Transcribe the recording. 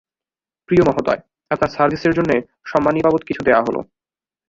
প্রিয় মহোদয়, আপনার সার্ভিসের জন্যে সন্মানী বাবদ সামান্য কিছু দেওয়া হল।